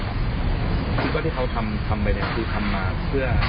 คิดว่าที่เขาทำไปเนี่ยคือทำมาเพื่อ